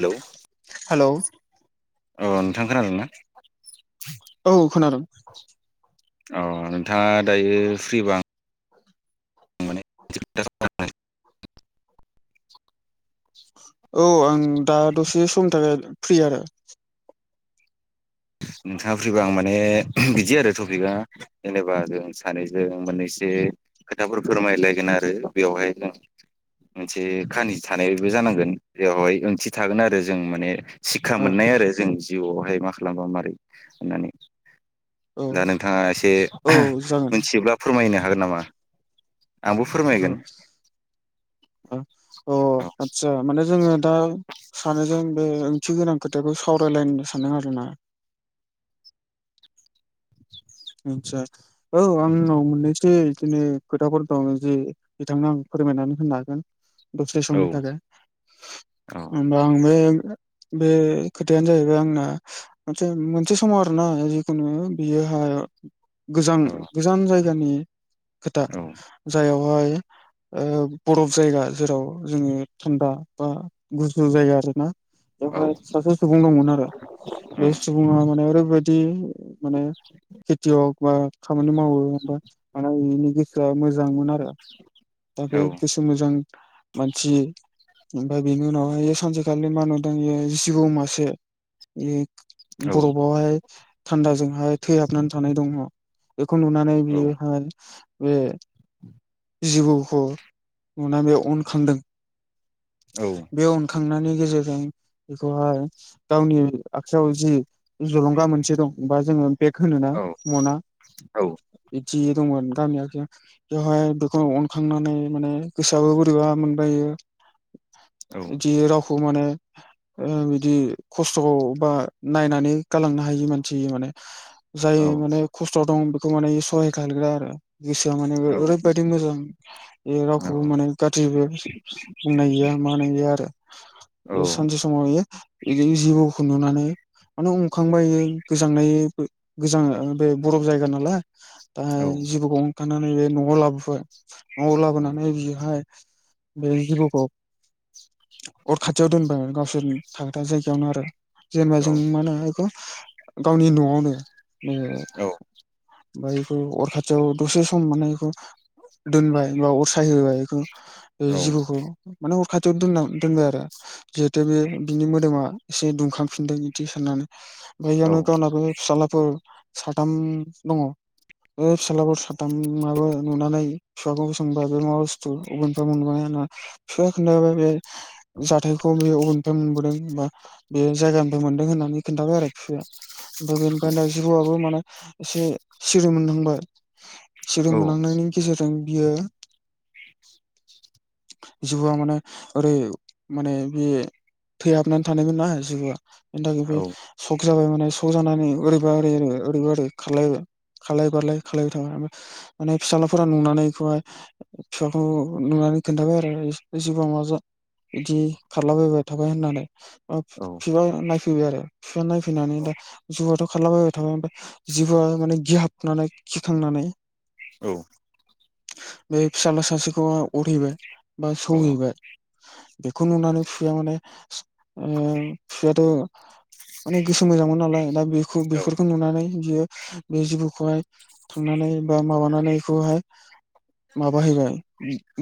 Hello hello औ नोंथां खोनादों ना? औ खोनादों अ नोंथाङा दायो फ्रिबा माने [unintelligible] औ आं दा दसे समनि थाखाय फ्रि आरो। नोंथाङा फ्रिबा आं माने बिदि आरो टपिकआ, जेनेबा जों सानैजों मोननैसो ओ खोथाफोर फोरमायलायगोन आरो बेयावहाय जों मोनसे खाहानि थानायबो जानांगोन, बेवहाय ओंथि थागोन आरो जों माने सिखा ओ मोननाय आरो जों जिउआवहाय मा खालामबा मारै होननानै। दा औ नोंथाङा एसे औ जागोन मिथियोब्ला फोरमायनो हागोन नामा। आंबो फोरमायगोन। औ अ औ आतसा माने जो जोङो दा सानैजों बे ओंथि गोनां खोथाखौ सावरायलायनो सानदों आरोना। [unintelligible] आतसा औ आंनाव मोननैसो बिदिनो खोथाफोर दं जे बिथांङा फोरमायनानै होनो हागोन। दसे औ समनि थाखाय औ होमबा आं बे बे खोथायानो जाहैबाय आंना मोनसे मोनसे समाव आरोना जिखुनु बियो [unintelligible] गोजां औ गोजान जायगानि खोथा औ जायावहाय ओ बरफ जायगा जेराव जोङो थान्दा बा गुसु जायगा आरोना औ बेवहाय सासे सुबुं दंमोन आरो बे सुबुङा माने ओरैबायद दि माने खेथि हक बा खामानि मावो बा माने बिनि गोसोआ मोजांमोन आरो दा बे गोसो मोजां मानसि ओमफ्राय बिनि उनावहाय सानसेखालि मा होनुदोंां जि जिबौ मासे बरफआवहाय थान्दाजोंहाय थैहाबनानै थानाय दङ। बेखौ नुनानै औ बियोहाय बे जिबौखौ नुनानै बे अनखांदों औ बे अनखां थांनायनि गेजेरजों बेखौहाय गावनि आखायाव जि जलंगा मोनसे दं बा जोङो बेग होनो औ ना मना जि दंमोन गामिया बेवहाय बेखौनो अनखांनानै माने गोसोआआबो बोरैबा मोनबायो बिदि रावखौ माने बिदि खस्थ'खौ बा नायनानै गालांनो हायि मानसि माने जाय माने खस्थ दं बेखौ माने सहाय खालामग्रा आरो। गोसोआ माने ओरैबायादि मोजां बे रावखौबो माने गाज्रिबो बुंनाय गैया मानाय गैया आरो। सानसे समाव बियो बिदिनो जिबौ खुन्दुनानै माने अनखांबायो गोजां नाय गोजां बे बरफ जायगा नालाय दाहाय जिबखौ ओंखारनानै बे न'आव लाबोबाय न'आव लाबोनानै बिहाय बेजबोखौ अर खाथियाव दोनबाय गावसोरनि थाखागोथा जायगायावनो आरो। जेनेबा जों मा होन बेखौ गावनि न'आवनो ब बेखौ अरखाथि दसे सम माने बेखौ दोनबाय बा असाय होबाय बेखौ जिबौखौ माने खाथियाव दोन दोनबाय आरो जिहेथु बे बिनि मोदोमा एसे दुंखांफिनदों बिदि साननानै बैगानो गाब सलापुर साथाम दङ बे फिस्लाफोर साथामाबो नुनानै फिसाखौ बे मा बु मोन बि ख बे जाखौ मोनबोदोंा बे जायगानिफ्राय मोनदों होननानै खोन्थाबाय आरो बिसाया ओमफ्राय बेनिफ्राय दा जिबौआबो माने एसे सिरि मोनहांबाय। सदों मोनांनायनि गेजेरजों बियो। लांदां जिउआ माने ओरै माने बे थैहाबनानै थानायमोनना जेबोआ बेनि थाखाय बे। ब जाबाय माने स जानानै ओरबा ओरै ओरै ओरैब ओरै खारलायबाय। खालाय बारलाय खालबाय थाबफ्राय माने फिसााजलाफोरा नुनानै बेखौहाय। बिफांखौ नुनानै खोनन्थाबाय आरो एसेबां माजा [unintelligible] बिदि खारलाबायबाय थाबाय होननानै औ बिफा नायफैबाय आरो बिफा नायफैनानै दा जौआाथ' ंलाबायबाय थाबाय जिबोआ माने गिहाबनानै खिखांनानै औ बे फिसाज्ला सासेखौ अरहैबाय बा सौहैबाय। बेखौ नुनानै फिसाया माने फिसायथ' माने गोसो मोजांमोन नालाय दा बेखौ बेफोरखौ नुनानै बियो बे जिबौखौहाय। थांनानै बा माबानानैखौहाय माबाहैबाय।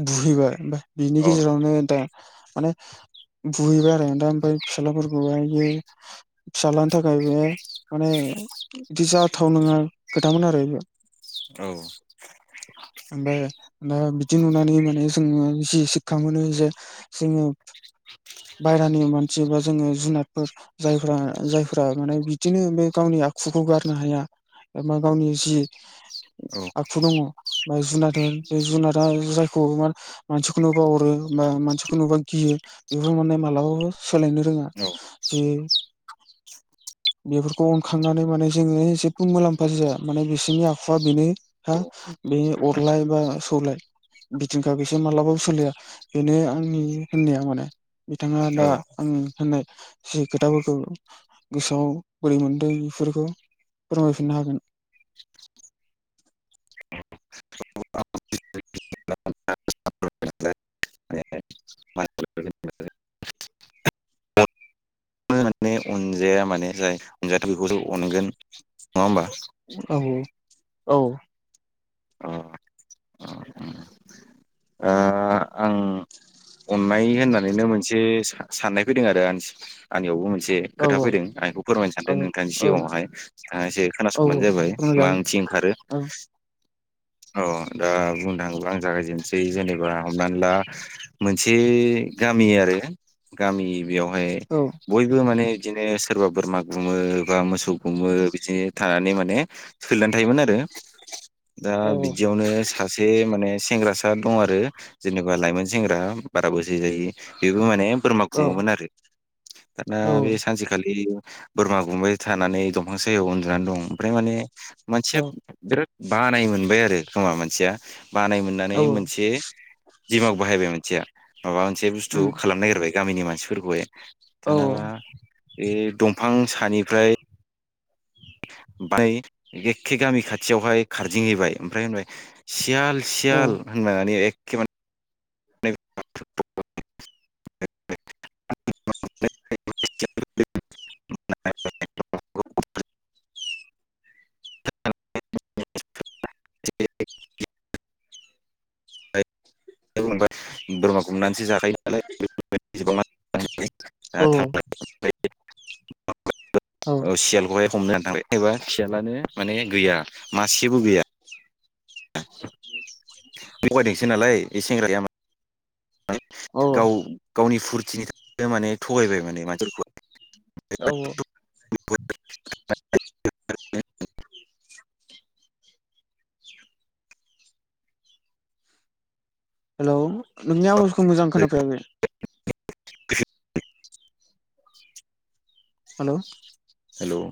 बुहैबाय ओमफ्राय बिनि गेजेरावनो दा माने ‌। बुहैबाय आरो दा ओमफ्राय फिसााज्लाफोरखौह बि फिस्लानि थाखाय बे माने बिदि जाथाव नङा खोथामोन आरो बेयो औ ओमफ्राय दा बिदि नुनानै माने जोङो जि सिक्षा मोनो जे जोङो बायहेरानि मानसि बा जोङो जुनादफोर जायफोरा जायफोरा माने बिदिनो बे गावनि आखुखौ गारनो हाया एबा गावनि जि औ आखु दङ माय जुनाद होन बे जुनादा जायखौ मा मानसिखौ नुबा अरो बा मानसिखौ नुबा गियो बेफोर माने म मालाबाबो सोलायनो रोङा औ जे बेफोरखौ अनखांनानै माने जोङो जेबो मुलाम्फा जाया माने बिसोरनि आखुआ बेनो हा बे अरलाय बा सौलाय बिदिखा बिसोर मालाबाबो सोलिया बेनो आंनि होननाया माने बिथाङा दा औ आं होननाय जि खोथाफोरखौ गोसोआव बोरै मोनदों बेफोरखौ फोरमायफिननो हागोन औ माने अनजाया माने जाय अनजायाथ' बेखौसो अनगोन होमबा? औ औ ओ आं अननाय होननानैनो मोनसे साननाय फैदों आरो आंनियावबो मोन एसे औ खोथा फैदों आं बेखौ फोरमायनो औ सानदों नोंथांनि औ सिगाङावहाय नोंथाङा एसे खोनासंबानो औ जाबाय फोरमायजागोन मा ओंथि ओंखारो औ औ दा बुंनो थाङोब्ला आं जागायजेननोसै जेनेबा हमनानै ला मोनसे गामि आरो गामि बेयावहाय औ बयबो माने बिदिनो सोरबा बोरमा गुमो बा मोसौ गुुमो बिदिनो थानानै माने सोलिनानै थायोमोन आरो दा औ बिदियावनो सासे माने सेंग्रासा दं आरो जेनेबा लाइमोन सेंग्रा बारा बोसोर जायो बेबो माने बोरमा औ गुमोमोन आरो दाना औ बे सानसेखालि बोरमा गुमबाय थानानै दंफां सायायाव दं ओमफ्राय माने औ मानसिया बिराद बानाय मोनबाय आरो खोमा मानसिया बानाय औ मोननानै मोनसे दिमाग बाहायबाय मानसिया माबा मोनसे बुस्थु खालामनो नागिरबाय गामिनि मानसिफोरखौहाय औ दानाबा बे दंफां सानिफ्राय बै एखखे गामि खाथियावहाय खारदिंहैबाय ओमफ्राय होनबाय सियाल सियाल होनबाय माने ए एखखेमाने ए बुंबाय बोरमा गुमनानैसो जाखायो नालाय बेफोरबादि औ। सियाल खौहाय हमनानै थांबाय एबा सियालानो माने गैया मासेबो गैया थगायदोंसो नालाय बे सेंग्राया माने औ गाव गावनि फुरथिनि थाखाय माने थगायबाय माने मानसिफोरखौ औ [inaudible] हेलौ नोंनि आवाजखौ मोजां खोनाफैयाखै हेल' हेल'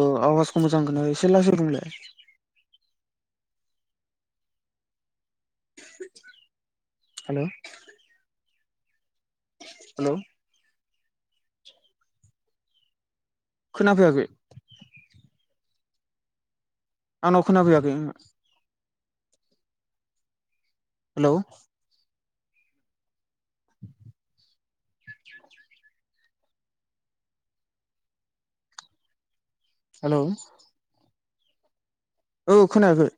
औ आवाजखौ मोजां खोनायाखै एसे लासै बुंलाय हेल' हेल' खोनाफैयाखै आंनाव खोनाफैयाखै‌ ओंहो हेलौ हेलौ औ खोनायाखै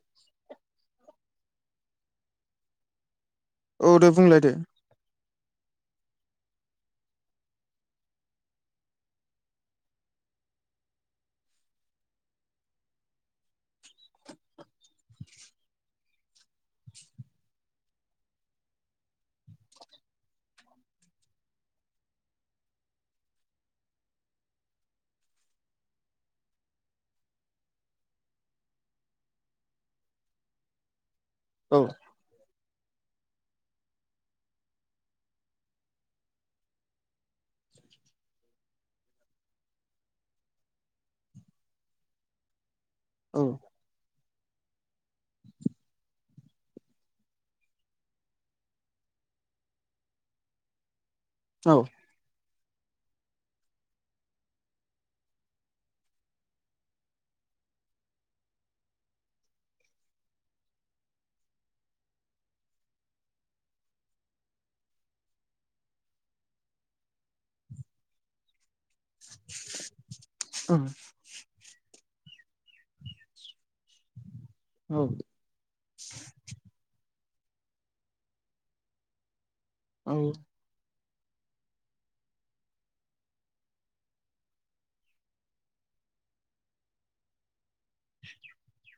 औ दे बुंलाय दे औ औ औ ओ औ औ [inaudible]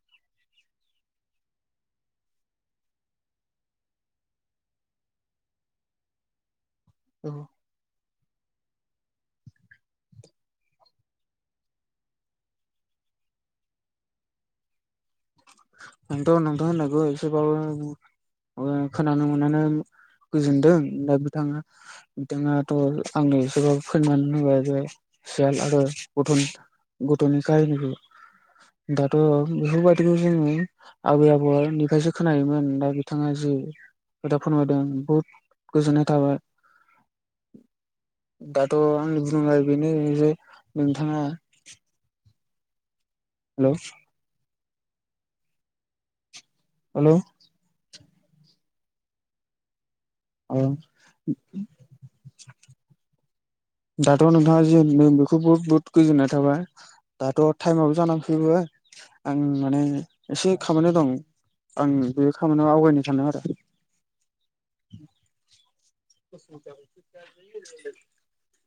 औ नोंथ' नोंथ' होननायखौ एसेबाबो खोनानो मोनानो गोजोनदों दा बिथाङा बिथाङाथ' आंनो एसेबाबो फोरमान होबाय जे सियाल आरो गथ' गथ'नि काहिनिखो दाथ' बेफोरबायदि जोङो आबै आबौनिफ्रायसो खोनायोमोन दा बिथाङा जि खोथा फोरमायदों बहुद गोजोननाय थाबाय [inaudible] दाथ' आंनि बुंनाय बेनो जे नोंथाङा हेलौ हेलौ अ दाथ' नोंथाङा जे नों बेखौ बहुद बहुद गोजोननाय थाबाय दाथ' टाइमावबो जानानै फैबाय आं माने एसे खामानियाव दं आं बे खामानियाव आवगायनो सानो आरो [unintelligible]